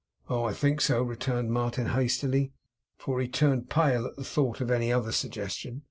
'Oh, I think so,' returned Martin hastily, for he turned pale at the thought of any other suggestion.